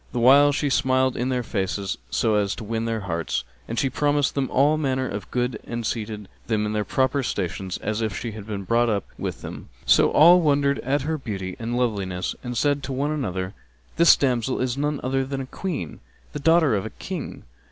The while she smiled in their faces so as to win their hearts; and she promised them all manner of good and seated them in their proper stations, as if she had been brought up with them; so all wondered at her beauty and loveliness and said to one another, "This damsel is none other than a Queen, the daughter of a King."